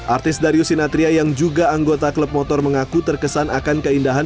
artis darius sinatria yang juga anggota klub motor mengaku terkesan akan keindahan